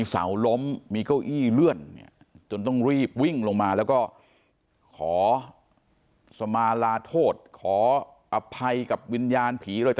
เสาล้มมีเก้าอี้เลื่อนเนี่ยจนต้องรีบวิ่งลงมาแล้วก็ขอสมาลาโทษขออภัยกับวิญญาณผีเราจะ